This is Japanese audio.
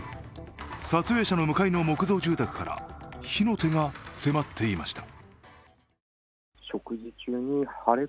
撮影者の向かいの木造住宅から火の手が迫っていました。